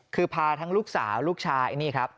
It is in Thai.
คือพาทั้งลูกสาวลูกชายนี่ครับ